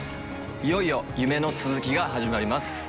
いよいよ夢の続きが始まります。